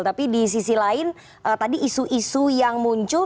tapi di sisi lain tadi isu isu yang muncul